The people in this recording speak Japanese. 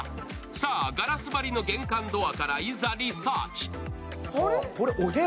さぁ、ガラス張りの玄関ドアからいざリサーチ。